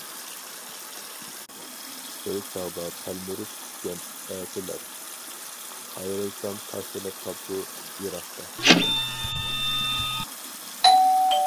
بىر چاغدا تەلمۈرۈپ كۈتكەن ئەتىلەر، قايرىلسام تاشلىنىپ قاپتۇ يىراقتا.